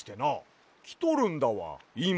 きとるんだわいま。